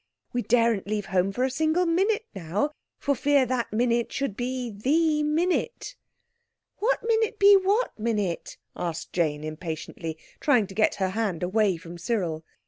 We daren't leave home for a single minute now, for fear that minute should be the minute." "What minute be what minute?" asked Jane impatiently, trying to get her hand away from Cyril.